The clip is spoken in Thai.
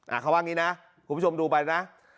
เขาว่างี้นะคุณผู้ชมดูไปนะ